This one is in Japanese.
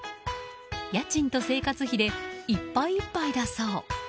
家賃と生活費でいっぱいいっぱいだそう。